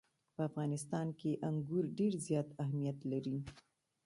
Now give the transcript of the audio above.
په افغانستان کې انګور ډېر زیات اهمیت لري.